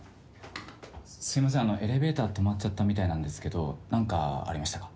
すみません、エレベーター止まっちゃったみたいなんですけど何かありましたか？